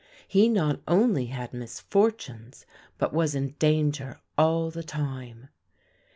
He not only had misfortunes but was in danger all the time.